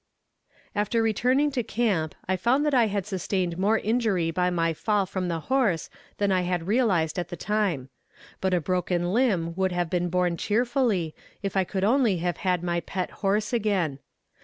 After returning to camp, I found that I had sustained more injury by my fall from the horse than I had realized at the time. But a broken limb would have been borne cheerfully, if I could only have had my pet horse again.